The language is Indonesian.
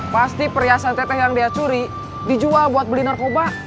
pasti perhiasan teteh yang dia curi dijual buat beli narkoba